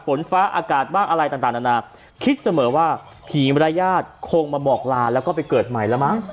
ฝนฟ้าอากาศบ้างอะไรต่างนานาคิดเสมอว่าผีมรยาทคงมาบอกลาแล้วก็ไปเกิดใหม่แล้วมั้ง